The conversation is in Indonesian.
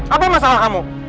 apa masalah kamu